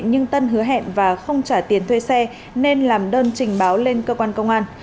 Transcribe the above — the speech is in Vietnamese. nhưng tân hứa hẹn và không trả tiền thuê xe nên làm đơn trình báo lên cơ quan công an